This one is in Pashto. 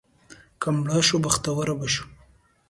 که مړه شو، بختور به شو.